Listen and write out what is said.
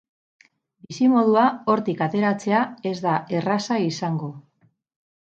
Bizimodua hortik ateratzea ez da erraza izango.